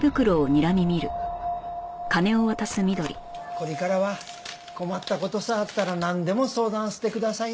これからは困った事さあったらなんでも相談してください。